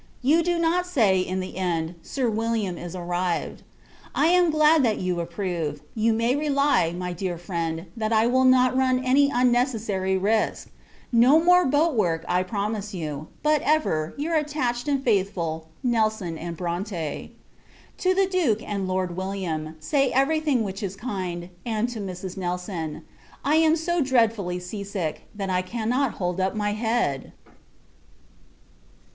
You do not say, in the end, Sir William is arrived. I am glad, that you approve. You may rely, my dear friend, that I will not run any unnecessary risk! No more boat work, I promise you; but, ever, your attached and faithful NELSON & BRONTE. To the Duke, and Lord William, say every thing which is kind; and to Mrs. Nelson. I am so dreadfully sea sick, that I cannot hold up my head!